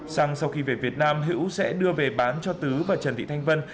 xăng sau khi về việt nam hữu sẽ đưa về bán cho tứ và trần thị thanh vân